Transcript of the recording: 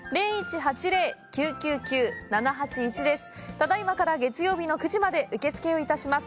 ただいまから月曜日の９時まで受付をいたします。